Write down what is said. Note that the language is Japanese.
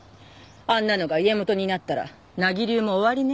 あんなのが家元になったら名木流も終わりね。